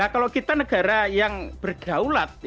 kalau kita negara yang bergaulat